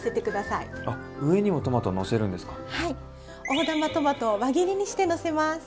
大玉トマトを輪切りにしてのせます。